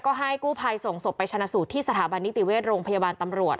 ก็ให้กู้ภัยส่งศพไปชนะสูตรที่สถาบันนิติเวชโรงพยาบาลตำรวจ